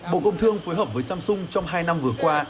bộ công thương phối hợp với samsung trong hai năm vừa qua